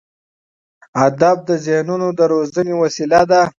ادب د ذهنونو د روزنې وسیله ده.